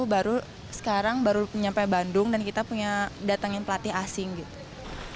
baru sekarang baru nyampe bandung dan kita punya datangin pelatih asing gitu